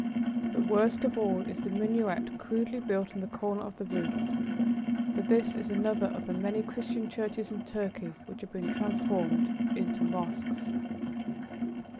But, worst of all, is the minaret crudely built on the corner of the roof, for this is another of the many Christian churches in Turkey which have been transformed into mosques.